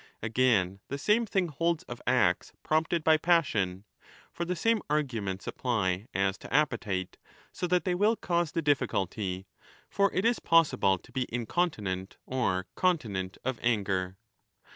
Again, the same thing holds of acts prompted by passion. For the same arguments apply as to appetite, so that they 25 will cause the difficulty. For it is possible to be incontinent or continent of anger.